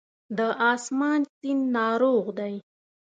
د آسمان سیند ناروغ دی